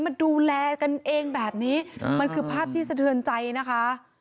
มาดูแลกันเองแบบนี้มันคือภาพที่สะเทือนใจนะคะ